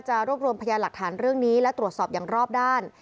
รวบรวมพยานหลักฐานเรื่องนี้และตรวจสอบอย่างรอบด้าน